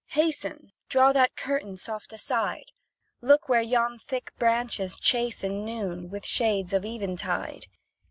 Hasten, Draw that curtain soft aside, Look where yon thick branches chasten Noon, with shades of eventide.